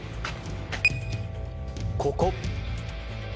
ここ。